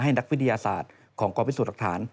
ให้นักฟิธียาศาสตร์ของกรพิสุทธิ์ดักฐาน